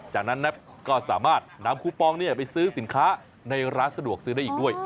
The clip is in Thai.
จากนั้นก็สามารถนำคูปองไปซื้อสินค้าในร้านสะดวกซื้อได้อีกด้วย